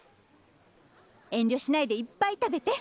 遠慮しないでいっぱい食べて。